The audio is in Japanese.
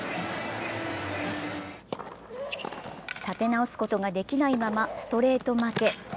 立て直すことができないままストレート負け。